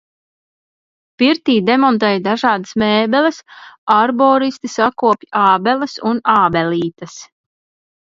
Pirtī demontēju dažādas mēbeles. Arboristi sakopj ābeles un ābelītes.